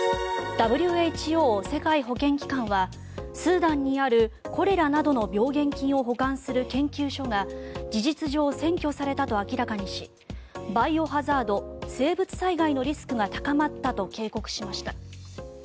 ＷＨＯ・世界保健機関はスーダンにあるコレラなどの病原菌を保管する研究所が事実上占拠されたと明らかにしバイオハザード生物災害のリスクが高まったと警告しました。